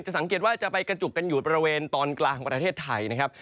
สังเกตว่าจะไปกระจุกกันอยู่บริเวณตอนกลางประเทศไทยนะครับ